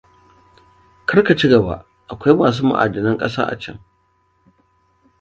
Kar ka ci gaba; akwai masu ma'adinan kasa a can.